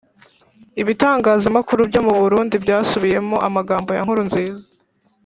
ibitangazamakuru byo mu burundi byasubiyemo amagambo ya nkurunziza